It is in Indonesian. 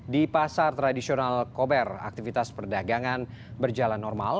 di pasar tradisional kober aktivitas perdagangan berjalan normal